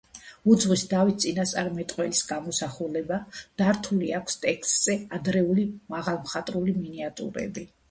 უძღვის დავით წინასწარმეტყველის გამოსახულება, დართული აქვს ტექსტზე ადრეული მაღალმხატვრული მინიატიურები.